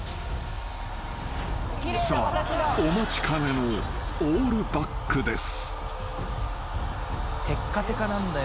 ［さあお待ちかねのオールバックです］